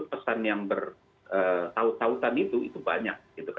pesan yang bertautan itu banyak